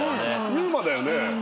ＵＭＡだよね。